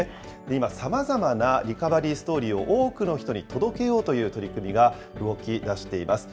今、さまざまなリカバリーストーリーを多くの人に届けようという取り組みが動きだしています。